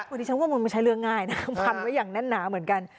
วันนี้ฉันว่ามันไม่ใช่เรื่องง่ายนะพันไว้อย่างแน่นหนาเหมือนกัน